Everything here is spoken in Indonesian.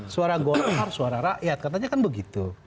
suara golkar suara rakyat katanya kan begitu